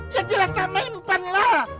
ya jelas tak mempan lah